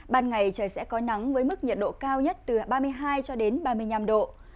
ban ngày trời sẽ có nắng với mức nhiệt độ cao nhất từ ba mươi hai cho đến ba mươi năm độ